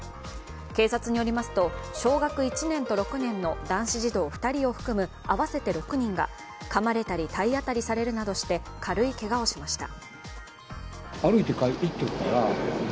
警察によりますと小学１年と６年の男子児童２人を含む合わせて６人がかまれたり体当たりされるなどして軽いけがをしました。